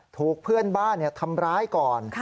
ถูกเพื่อนบ้านทำร้ายก่อน